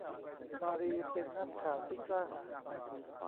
มารีเป็นนักข่าวที่กล้าหาญ